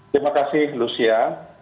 terima kasih lucia